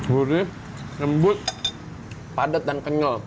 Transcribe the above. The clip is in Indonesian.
gurih lembut padat dan kenyal